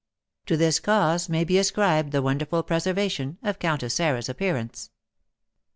To this cause may be ascribed the wonderful preservation of Countess Sarah's appearance.